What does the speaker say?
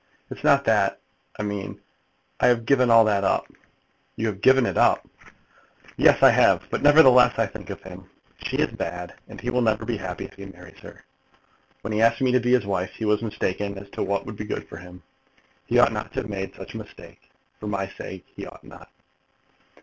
It is not that I mean. I have given all that up." "You have given it up?" "Yes; I have. But nevertheless I think of him. She is bad, and he will never be happy if he marries her. When he asked me to be his wife, he was mistaken as to what would be good for him. He ought not to have made such a mistake. For my sake he ought not."